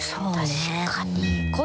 確かに。